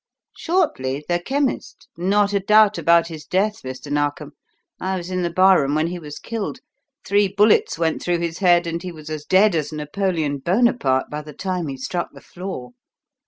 "Shortly, the chemist? Not a doubt about his death, Mr. Narkom. I was in the bar room when he was killed. Three bullets went through his head, and he was as dead as Napoleon Bonaparte by the time he struck the floor.